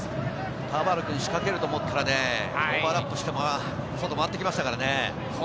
田原君、仕掛けると思ったら、オーバーラップして外をまわってきましたからね。